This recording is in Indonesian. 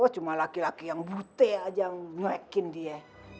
cuma laki laki yang buteh aja nge nwekin dia